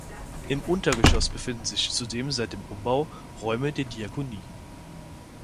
Im Untergeschoss befinden sich zudem seit dem Umbau Räume der Diakonie.